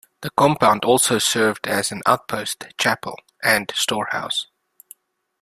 The compound also served as an outpost, chapel, and storehouse.